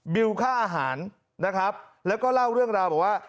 บิวค่าอาหารแล้วก็เล่าเรื่องราวเบาะว่า